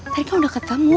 tadi kan udah ketemu